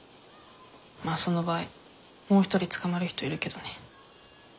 まあその場合もう一人捕まる人いるけどね。